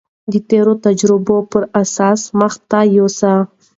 د تېرو تجربو پر اساس مخته يوسي.